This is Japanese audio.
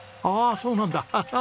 ああそうなんだ。